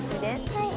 はい。